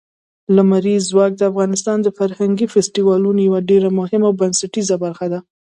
لمریز ځواک د افغانستان د فرهنګي فستیوالونو یوه ډېره مهمه او بنسټیزه برخه ده.